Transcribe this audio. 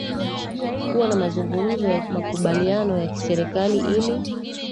kuwa na mazungumzo ya makubaliano ya kiserikali ili